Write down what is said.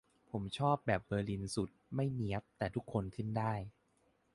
ผมชอบแบบเบอร์ลินสุด ไม่เนี๊ยบแต่ทุกคนขึ้นได้